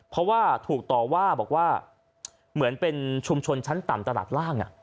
เพราะว่าถูกต่อว่าบอกว่าเหมือนเป็นชุมชนชั้นต่ำตลาดล่าง